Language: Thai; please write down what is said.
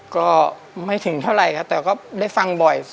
ก็ไม่ถึงเท่าไหร่ครับแต่ก็ได้ฟังบ่อย